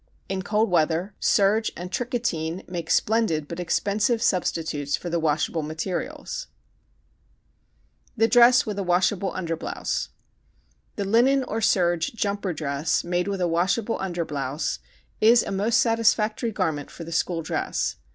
In cold weather serge and tricatine make splendid but expensive substitutes for the washable materials. [Illustration: APPROPRIATE SCHOOL DRESSES] The Dress with a Washable Underblouse The linen or serge jumper dress, made with a washable underblouse, is a most satisfactory garment for the school dress.